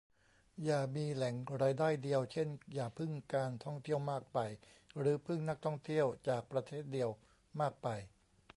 อย่ามีแหล่งรายได้เดียว เช่น อย่าพึ่งการท่องเที่ยวมากไป หรือพึ่งนักท่องเที่ยวจากประเทศเดียวมากไป